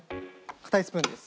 硬いスプーンです。